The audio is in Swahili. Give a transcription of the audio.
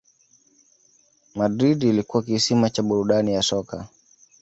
Madrid ilikuwa kisima cha burudani ya soka